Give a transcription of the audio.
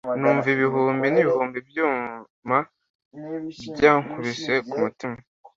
numva ibihumbi n'ibihumbi byuma byankubise kumutima.